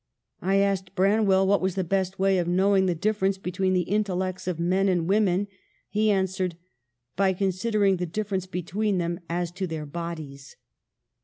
I asked Bran well what was the best way of knowing the difference between the intellects of men and women; he answered, 'By considering the dif ference between them as to their bodies.'